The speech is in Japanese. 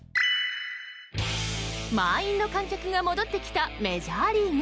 満員の観客が戻ってきたメジャーリーグ。